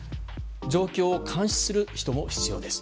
状況を監視する人も必要です。